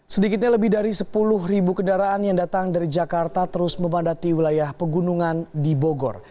sedikitnya lebih dari sepuluh ribu kendaraan yang datang dari jakarta terus memandati wilayah pegunungan di bogor